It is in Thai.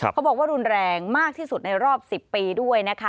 เขาบอกว่ารุนแรงมากที่สุดในรอบ๑๐ปีด้วยนะคะ